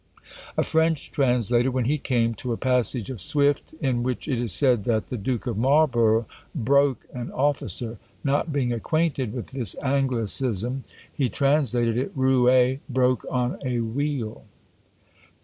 A French translator, when he came to a passage of Swift, in which it is said that the Duke of Marlborough broke an officer; not being acquainted with this Anglicism, he translated it roué, broke on a wheel!